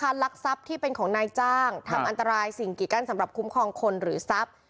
ลักทรัพย์ที่เป็นของนายจ้างทำอันตรายสิ่งกิดกั้นสำหรับคุ้มครองคนหรือทรัพย์